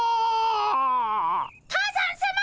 多山さま